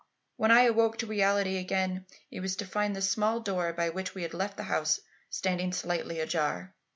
When I awoke to reality again it was to find the small door, by which we had left the house, standing slightly ajar.